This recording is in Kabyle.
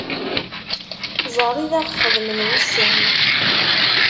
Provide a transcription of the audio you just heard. Ẓer i d aɣ-xedmen wussan.